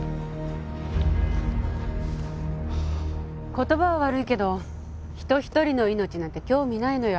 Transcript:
言葉は悪いけど人一人の命なんて興味ないのよ